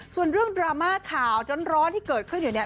ส่วนเรื่องดราม่าข่าวร้อนที่เกิดขึ้นอยู่เนี่ย